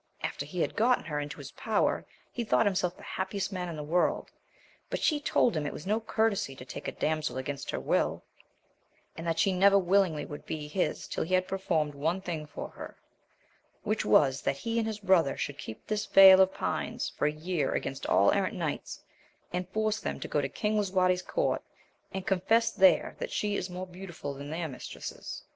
After he had gotten her into his power, he thought himself the happiest man in the world, but she told him it was no courtesy to take a damsel against her will, and that she never willingly would be his till he had performed one thing for her, which was that he and his brother should keep this Vale of Pines for a year against all errant knights, and force them to go to King Lisuarte's court, and confess there that she is more beautiful than their mistresses.